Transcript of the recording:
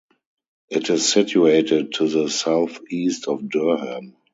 It is situated to the south-east of Durham.